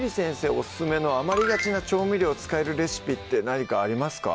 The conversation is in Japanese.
オススメのあまりがちな調味料を使えるレシピって何かありますか？